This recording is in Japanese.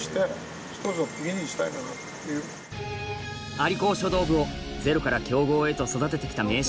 蟻高書道部をゼロから強豪へと育ててきた名将